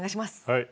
はい。